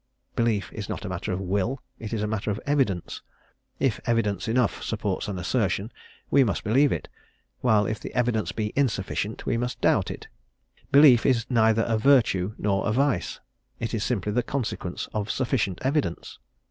Belief is not a matter of will, it is a matter of evidence; if evidence enough supports an assertion, we must believe it, while if the evidence be insufficient we must doubt it. Belief is neither a virtue nor a vice; it is simply the consequence of sufficient evidence.